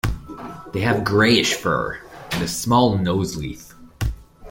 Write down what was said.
They have greyish fur, and a small nose-leaf.